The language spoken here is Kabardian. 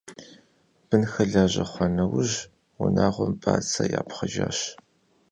Бынхэр лажьэ хъуа нэужь, унагъуэм бацэ япхъыжащ.